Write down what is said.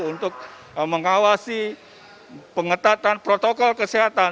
untuk mengawasi pengetatan protokol kesehatan